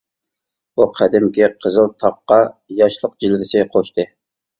بۇ، قەدىمكى قىزىلتاغقا ياشلىق جىلۋىسى قوشتى.